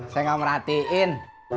saya gak mau merhatiin